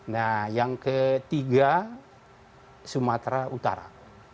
nah yang ketiga sumatera utara